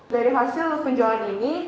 dari hasil penjualan ini